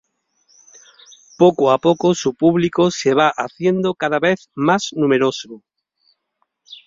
Poco a poco, su público se va haciendo cada vez más numeroso.